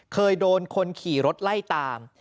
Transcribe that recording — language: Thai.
เคยโดนคนขี่รถไล่ตาม